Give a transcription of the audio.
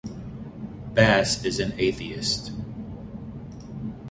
Bass is an atheist.